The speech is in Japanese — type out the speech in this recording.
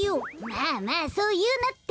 まあまあそういうなって。